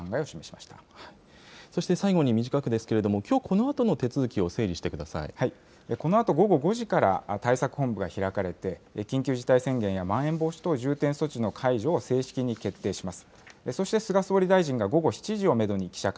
そして最後に短くですけれども、きょう、このあとの手続きをこのあと午後５時から対策本部が開かれて、緊急事態宣言やまん延防止等重点措置の解除を正式に決定します。